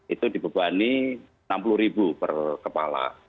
itu dibebani rp enam puluh ribu per kepala